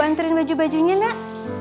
antarin baju bajunya nak